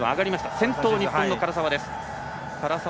先頭は日本の唐澤です。